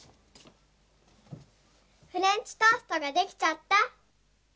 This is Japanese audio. フレンチトーストができちゃった。